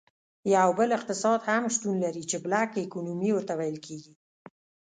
یو بل اقتصاد هم شتون ولري چې Black Economy ورته ویل کیږي.